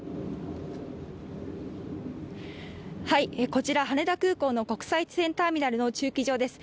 こちら羽田空港の国際線ターミナルの駐機場です